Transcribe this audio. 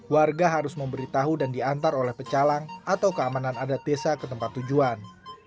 warga harus memberitahu dan diantar oleh pecalang atau keamanan adat desa ke tempat tujuan